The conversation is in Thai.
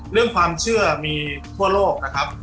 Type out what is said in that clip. เรื่องความเชื่อมีทั่วโลกนะครับ